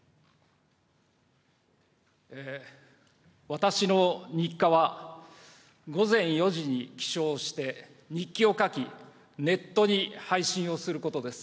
私の日課は、午前４時に起床して、日記を書き、ネットに配信をすることです。